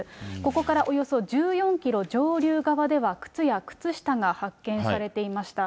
ここからおよそ１４キロ上流側では、靴や靴下が発見されていました。